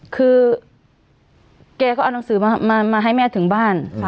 คือแกก็เอาหนังสือมาให้แม่ถึงบ้าน